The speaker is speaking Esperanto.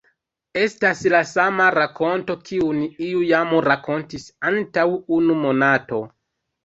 Estas la sama rakonto, kiun iu jam rakontis antaŭ unu monato!